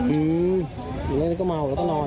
อืมแล้วก็เมาแล้วก็นอน